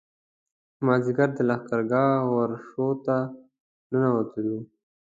مازیګر د لښکرګاه ورشو ته ننوتلو.